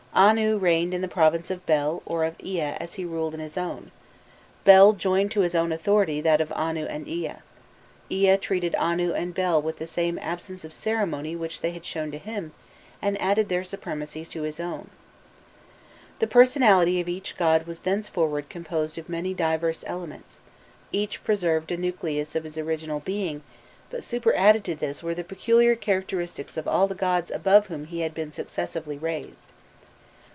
Anu reigned in the province of Bel or of Ea as he ruled in his own; Bel joined to his own authority that of Anu and Ea; Ea treated Anu and Bel with the same absence of ceremony which they had shown to him, and added their supremacy to his own. The personality of each god was thenceforward composed of many divers elements: each preserved a nucleus of his original being, but superadded to this were the peculiar characteristics of all the gods above whom he had been successively raised.